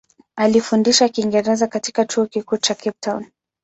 Alifundisha Kiingereza katika Chuo Kikuu cha Cape Town.